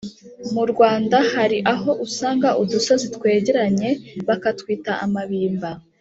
Mu Rwanda hari aho usanga udusozi twegeranye bakatwita amabimba